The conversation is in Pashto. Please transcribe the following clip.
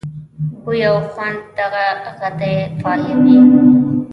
بوۍ او خوند دغه غدې فعالوي.